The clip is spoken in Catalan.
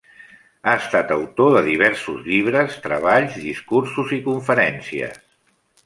Ha estat autor de diversos llibres, treballs, discursos i conferències.